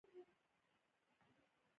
اداره باید د بشري منابعو کاري وړتیاوې ولري.